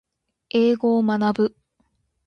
英語を学ぶ